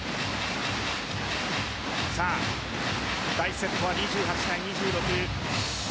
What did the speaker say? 第１セットは２８対２６。